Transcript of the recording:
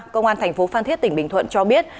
công an thành phố phan thiết tỉnh bình thuận cho biết